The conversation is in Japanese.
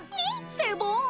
セボン。